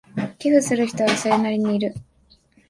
寄付する人はそれなりにいる